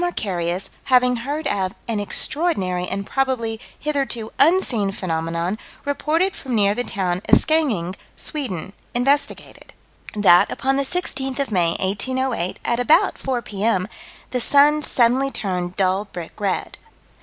Acharius, having heard of "an extraordinary and probably hitherto unseen phenomenon," reported from near the town of Skeninge, Sweden, investigated: That, upon the 16th of May, 1808, at about 4 P.M., the sun suddenly turned dull brick red.